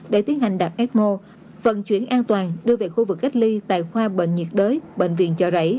để tiến hành đặt ecmo vận chuyển an toàn đưa về khu vực cách ly tại khoa bệnh nhiệt đới bệnh viện chợ rẫy